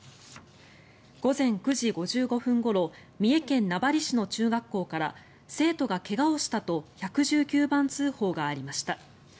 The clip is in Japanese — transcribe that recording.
午前９時５５分ごろ三重県名張市の中学校から生徒が怪我をしたと１１９番通報がありました。